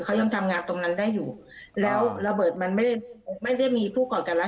เขายังทำงานตรงนั้นได้อยู่แล้วระเบิดมันไม่ได้มีผู้ก่อนกันแล้ว